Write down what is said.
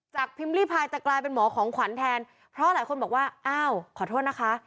พิมพ์ลี่พายจะกลายเป็นหมอของขวัญแทนเพราะหลายคนบอกว่าอ้าวขอโทษนะคะ